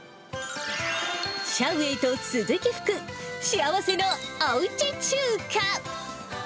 シャウ・ウェイと鈴木福、幸せのおうち中華。